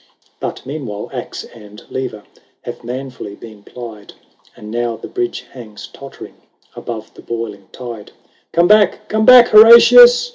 LIII. But meanwhile axe and lever Have manfully been plied ; And now the bridge hangs tottering Above the boiling tide. " Come back, come back, Horatius